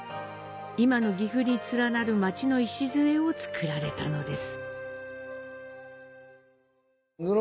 今の岐阜に連なる町の礎をつくられたのです。